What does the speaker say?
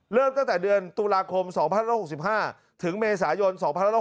ตั้งแต่เดือนตุลาคม๒๐๖๕ถึงเมษายน๒๖๖